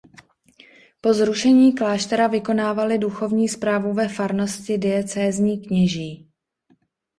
Po zrušení kláštera vykonávali duchovní správu ve farnosti diecézní kněží.